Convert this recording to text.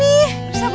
risa belum sadar juga